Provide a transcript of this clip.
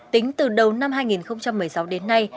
tính từ đầu năm hai nghìn một mươi sáu đến nay